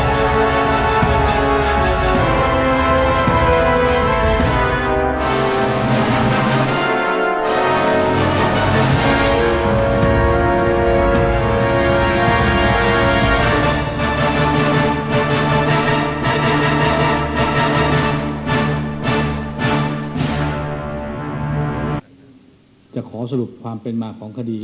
ไม่ได้เคลื่อนไขกับการทำงานดี